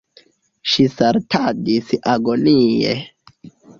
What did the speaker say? Ŝi saltadis agonie.